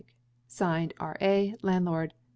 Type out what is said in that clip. (Signed) R.A. (landlord).